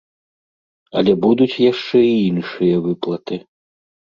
Але будуць яшчэ і іншыя выплаты.